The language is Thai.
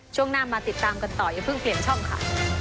ช่วงหน้ามาติดตามกันต่ออย่าเพิ่งเปลี่ยนช่องค่ะ